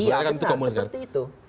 iya benar seperti itu